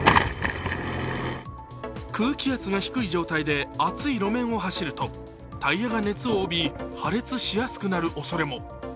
空気圧が低い状態で熱い路面を走るとタイヤが熱を帯び、破裂しやすくなるおそれも。